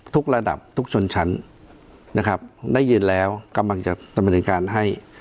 ระดับทุกชนชั้นนะครับได้ยินแล้วกำลังจะดำเนินการให้